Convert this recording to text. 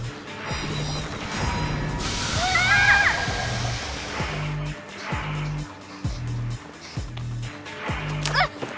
うわ！あっ！